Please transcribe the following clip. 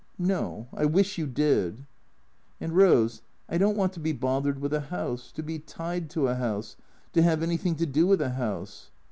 " No. I wish you did." " And, Rose, I don't want to be bothered with a house ; to be tied to a house ; to have anything to do with a house."